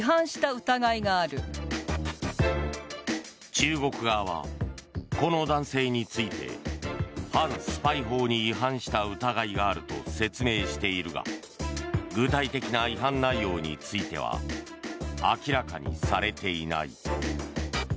中国側は、この男性について反スパイ法に違反した疑いがあると説明しているが具体的な違反内容については明らかにされていない。